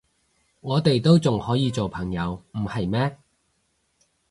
我哋都仲可以做朋友，唔係咩？